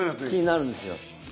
気になるんですよ。